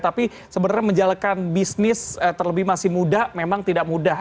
tapi sebenarnya menjalankan bisnis terlebih masih muda memang tidak mudah